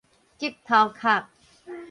激頭殼